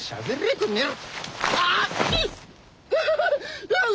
この野郎！